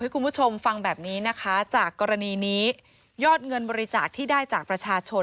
คือ๑๒๕๐๐๐๐บาทนะคะ